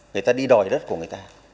người ta đi đòi đất của họ